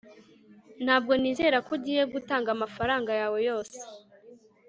ntabwo nizera ko ugiye gutanga amafaranga yawe yose